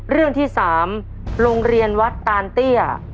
เรื่องที่๓โรงเรียนวัดตานเตี้ย